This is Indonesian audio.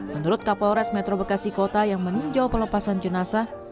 menurut kapolres metro bekasi kota yang meninjau pelepasan jenazah